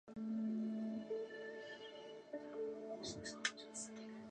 总部设于澳洲布里斯本。